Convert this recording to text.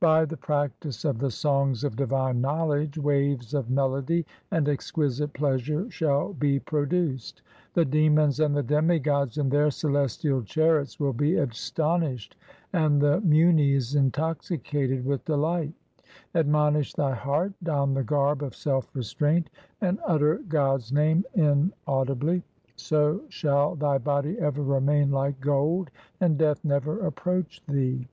By the practice of the songs of divine knowledge, waves of melody and exquisite pleasure shall be produced. The demons and the demigods in their celestial chariots will be astonished and the munis intoxicated with delight. Admonish thy heart, don the garb of self restraint, and utter God's name inaudibly, So shall thy body ever remain like gold, and Death never approach thee.